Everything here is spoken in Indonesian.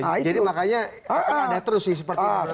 jadi makanya ada terus sih seperti itu